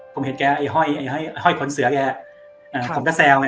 ผมเห็นแกไอ้ห้อยขนเสือแกผมจะแซวไง